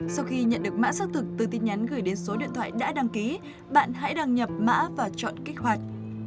sau khi nhận được mã xác thực từ tin nhắn gửi đến số điện thoại đã đăng ký bạn hãy đăng nhập mã và chọn kích hoạt